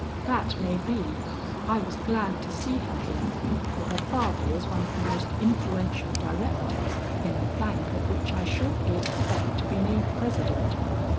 "That may be; I was glad to see her here, for her father is one of the most influential directors in the bank of which I shortly expect to be made president."